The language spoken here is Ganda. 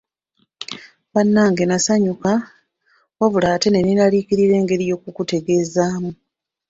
Bannange nasanyuka wabula ate ne neeraliikirira engeri y'okukutegeezaamu.